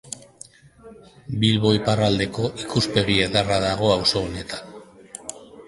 Bilbo iparraldeko ikuspegi ederra dago auzo honetan.